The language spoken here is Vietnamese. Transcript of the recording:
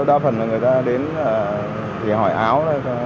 đa phần là người ta đến thì hỏi áo